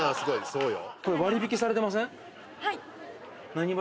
そうよ。